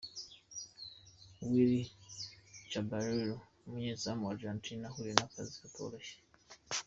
Willy Caballero umunyezamu wa Argentina yahuye n'akazi katoroshye .